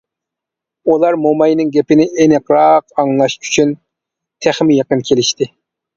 ئۇلار موماينىڭ گېپىنى ئېنىقراق ئاڭلاش ئۈچۈن تېخىمۇ يېقىن كېلىشتى.